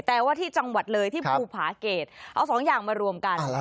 แต่ว่าที่จังหวัดเลยที่ภูผาเกตเอาสองอย่างมารวมกัน